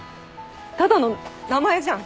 ただの名前じゃん。